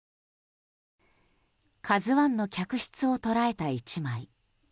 「ＫＡＺＵ１」の客室を捉えた１枚。